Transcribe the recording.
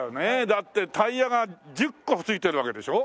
だってタイヤが１０個付いてるわけでしょ？